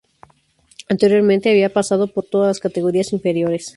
Anteriormente había pasado por todas las categorías inferiores.